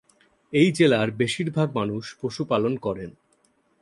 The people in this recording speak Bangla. এই জেলার বেশিরভাগ মানুষ পশুপালন করেন।